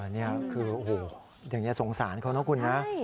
นี่คืออย่างนี้สงสารเขานะคุณ